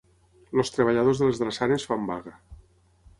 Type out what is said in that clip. Els treballadors de les drassanes fan vaga.